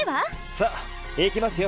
さあ行きますよ